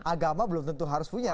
agama belum tentu harus punya